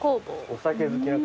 お酒好きな方。